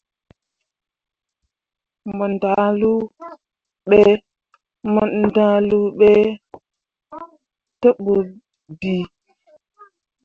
Mo ndahluu be te bu bii.